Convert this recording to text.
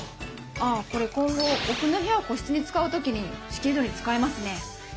あっこれ今後奥の部屋を個室に使う時に仕切り戸に使えますね。